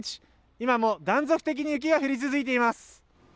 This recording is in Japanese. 今も断続的に雪が降り続いています。